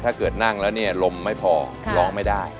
ถ้าเกิดนั่งแล้วเนี่ยลมไม่พอร้องไม่ได้